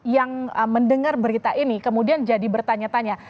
yang mendengar berita ini kemudian jadi bertanya tanya